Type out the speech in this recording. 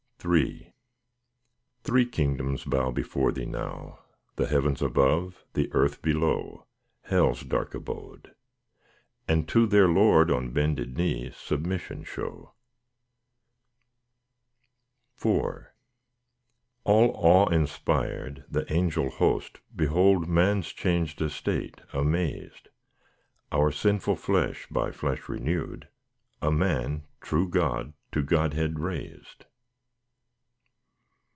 III Three kingdoms bow before Thee now— The heavens above, the earth below, Hell's dark abode—and to their Lord, On bended knee, submission show. IV All awe inspired, the angel host Behold man's changed estate, amazed; Our sinful flesh, by flesh renewed, And man, true God, to Godhead raised.